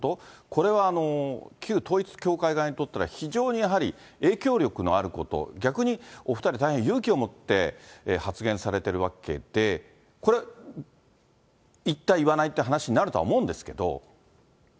これは旧統一教会側にとったら、非常にやはり影響力のあること、逆にお２人、大変勇気を持って発言されてるわけで、これ、言った言わないって話になると思うんですけど。